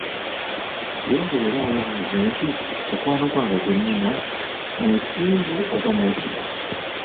Yongera era weebuuze nti, mukwano gwange gwennina, mwesimbu oba mwesigwa?